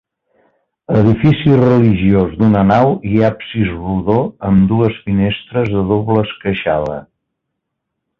Edifici religiós d'una nau i absis rodó amb dues finestres de doble esqueixada.